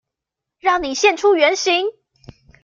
讓你現出原形！